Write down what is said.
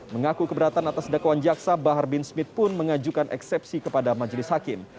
mengaku keberatan atas dakwaan jaksa bahar bin smith pun mengajukan eksepsi kepada majelis hakim